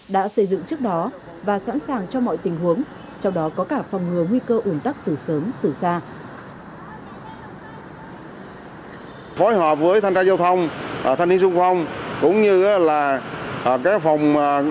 đã xây dựng trước đó và sẵn sàng cho mọi tình huống